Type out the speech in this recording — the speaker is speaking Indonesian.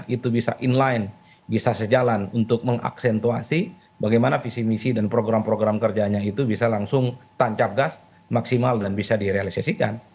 itu bisa inline bisa sejalan untuk mengaksentuasi bagaimana visi misi dan program program kerjanya itu bisa langsung tancap gas maksimal dan bisa direalisasikan